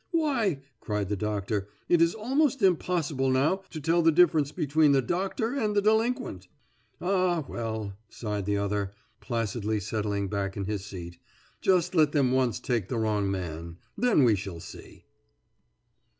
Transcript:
"Why," cried the doctor, "it is almost impossible now to tell the difference between the doctor and the delinquent." "Ah, well," sighed the other, placidly settling back in his seat. "Just let them once take the wrong man, then we shall see."